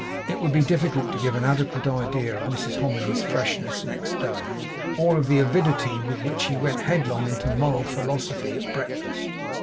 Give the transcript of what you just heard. It would be difficult to give an adequate idea of Mrs Hominy's freshness next day, or of the avidity with which she went headlong into moral philosophy at breakfast.